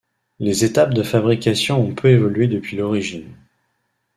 Les étapes de fabrication ont peu évolué depuis l'origine.